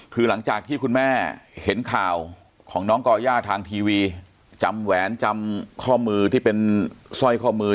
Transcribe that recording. คือหลังจากที่คุณแม่เห็นข่าวของน้องก่อย่าทางทีวีจำแหวนจำข้อมือที่เป็นสร้อยข้อมือ